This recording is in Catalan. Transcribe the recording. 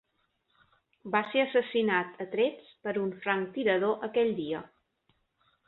Va ser assassinat a trets per un franctirador aquell dia.